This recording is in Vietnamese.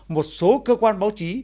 một số cơ quan báo chí